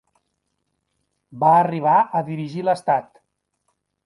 Va arribar a dirigir l'estat.